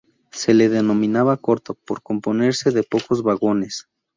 Se le denominaba "corto" por componerse de pocos vagones.